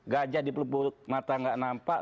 gajah di pelupuk mata gak nampak